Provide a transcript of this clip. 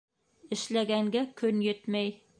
Эшләгәнгә көн етмәй.